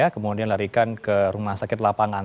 kemudian larikan ke rumah sakit lapangan